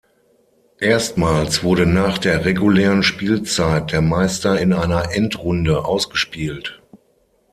Erstmals wurde nach der regulären Spielzeit der Meister in einer Endrunde ausgespielt.